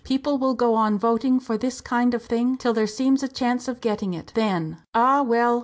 People will go on voting for this kind of thing, till there seems a chance of getting it. Then!" "Ah, well!"